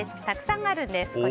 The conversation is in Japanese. たくさんあるんです。